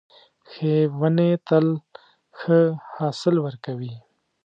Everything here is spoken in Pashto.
ښې ونې تل ښه حاصل ورکوي .